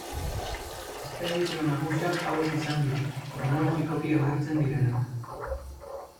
Espedizio nagusiak hauek izan dira, kronologikoki agertzen direnak.